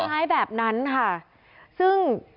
คล้ายแบบนั้นค่ะซึ่ง